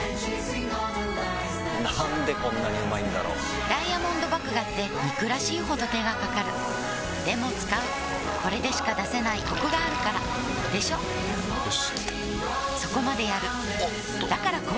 なんでこんなにうまいんだろうダイヤモンド麦芽って憎らしいほど手がかかるでも使うこれでしか出せないコクがあるからでしょよ